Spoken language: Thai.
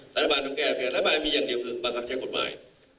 รัฐบาลต้องแก้แค่รัฐบาลมีอย่างเดียวคือบังคับใช้กฎหมาย